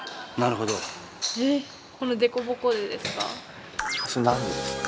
この凸凹でですか？